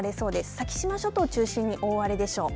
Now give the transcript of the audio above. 先島諸島を中心に大荒れでしょう。